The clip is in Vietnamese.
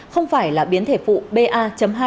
không phải là biến thể phụ ba hai bảy mươi năm